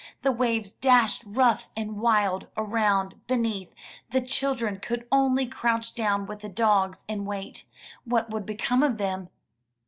The waves dashed rough and wild, around, beneath. The children could only crouch down with the dogs and wait. What would become of them?